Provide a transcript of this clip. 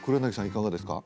いかがですか？